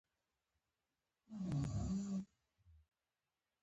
نه یې د بل چا په اړه اوري.